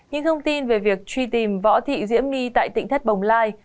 những thông tin về việc truy tìm võ thị diễm nghi tại tỉnh thất bồng lai